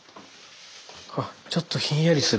あっちょっとひんやりする。